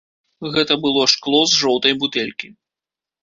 Гэта было шкло з жоўтай бутэлькі.